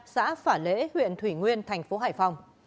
xã phả lễ huyện thủy nguyên tp hải phòng